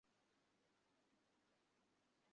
আমার বাবার শেষে কেন।